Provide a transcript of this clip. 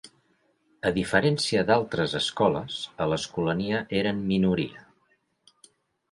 A diferència d'altres escoles, a l'Escolania eren minoria.